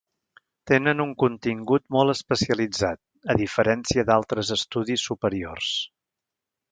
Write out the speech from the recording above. Tenen un contingut molt especialitzat, a diferència d'altres estudis superiors.